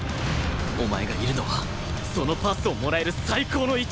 お前がいるのはそのパスをもらえる最高の位置！